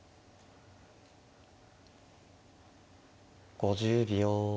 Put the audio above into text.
５０秒。